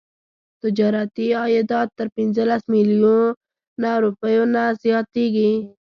تجارتي عایدات تر پنځلس میلیونه روپیو نه زیاتیږي.